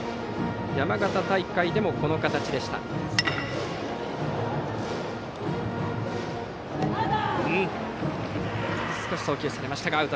山形大会でもこの形でした。